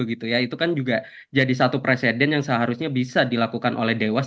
itu kan juga jadi satu presiden yang seharusnya bisa dilakukan oleh dewas